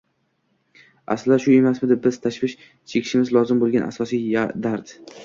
Aslida, shu emasmidi biz tashvish chekishimiz lozim bo‘lgan asosiy dard?